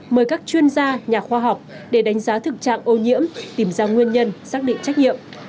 mời các chuyên gia nhà khoa học để đánh giá thực trạng ô nhiễm tìm ra nguyên nhân xác định trách nhiệm